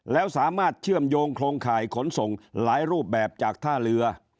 แล้วสามารถเชื่อมโยงโครงข่ายขนส่งหลายรูปแบบจากท่าเรือ